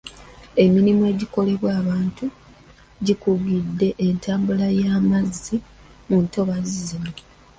Emirimu egikolebwa abantu gikugidde entambula y'amazzi mu ntobazi zino.